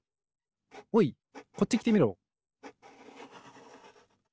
おいこっちきてみろ。